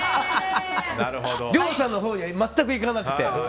亮さんのほうには全く行かなくて。